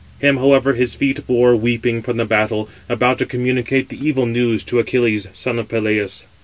Him, however, his feet bore, weeping, from the battle, about to communicate the evil news to Achilles, son of Peleus.